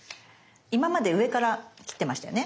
今まで上から切ってましたよね